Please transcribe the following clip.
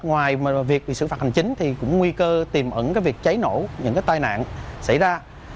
ngoài việc bị xử phạt hành chính thì cũng nguy cơ tìm ẩn việc cháy nổ những tai nạn xảy ra